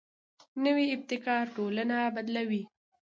نوی ابتکار ټولنه بدلوي